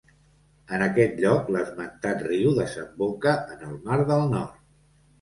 En aquest lloc, l'esmentat riu desemboca en el mar del Nord.